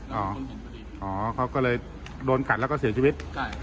คนเห็นพอดีอ๋อเขาก็เลยโดนขัดแล้วก็เสียชีวิต